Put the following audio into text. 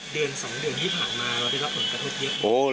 เดือนสองเดือนที่ผ่านมาแล้วได้รับผลกระทดเยอะไหม